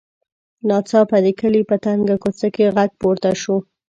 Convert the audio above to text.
ناڅاپه د کلي په تنګه کوڅه کې غږ پورته شو.